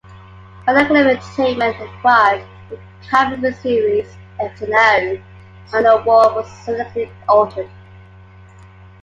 When Acclaim Entertainment acquired the comic series, X-O Manowar was significantly altered.